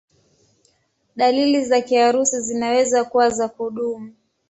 Dalili za kiharusi zinaweza kuwa za kudumu.